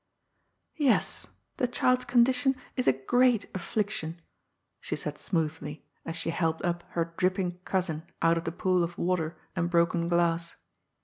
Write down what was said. " Yes 5 the child's condition is a great affiction," she said COUSIN COCOA. 65 smoothly, as she helped up her dripping cousin out of the pool of water and broken glass.